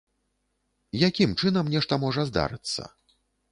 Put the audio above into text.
Якім чынам нешта можа здарыцца?